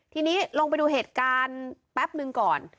ทีนี้ลงไปดูเหตุการณ์แป๊บนึงก่อน